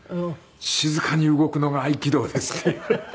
「静かに動くのが合気道です」って言われて。